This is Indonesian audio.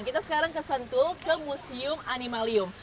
kita sekarang ke sentul ke museum animalium